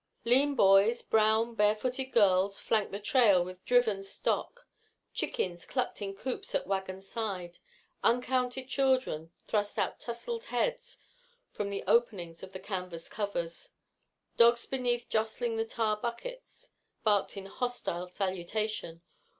Lean boys, brown, barefooted girls flanked the trail with driven stock. Chickens clucked in coops at wagon side. Uncounted children thrust out tousled heads from the openings of the canvas covers. Dogs beneath, jostling the tar buckets, barked in hostile salutation.